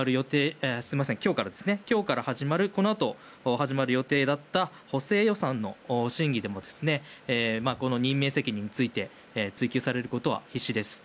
今日から始まるこのあと始まる予定だった補正予算の審議でもこの任命責任について追及されることは必至です。